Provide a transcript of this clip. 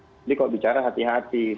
jadi kalau bicara hati hati